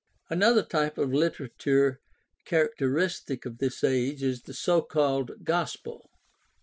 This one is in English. Another type of literature characteristic of this age is the so called "gospel."